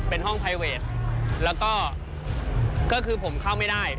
เป็นห้องไพเวทแล้วก็คือผมเข้าไม่ได้